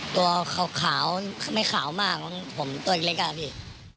ตัวขาวไม่ขาวมากผมตัวอีกเล็งก้าวพี่